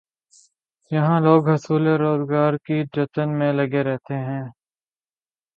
یہاں لوگ حصول روزگار کے جتن میں لگے رہتے ہیں۔